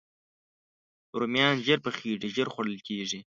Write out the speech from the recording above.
رومیان ژر پخېږي، ژر خوړل کېږي